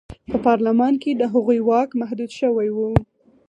په پارلمان کې د هغوی واک محدود شوی و.